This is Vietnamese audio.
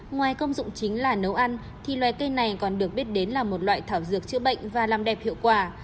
ngoài công dụng chính là nấu ăn thì loài cây này còn được biết đến là một loại thảo dược chữa bệnh và làm đẹp hiệu quả